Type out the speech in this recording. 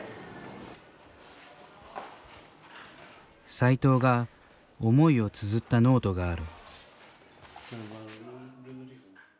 斎藤が思いをつづったノートがある。